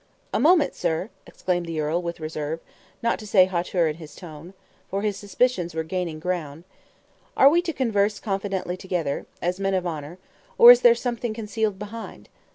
"A moment, sir," exclaimed the earl, with reserve, not to say hauteur in his tone, for his suspicions were gaining ground; "are we to converse confidentially together, as men of honor, or is there something concealed behind?"